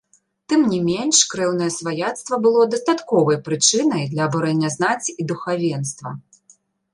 Тым не менш, крэўнае сваяцтва было дастатковай прычынай для абурэння знаці і духавенства.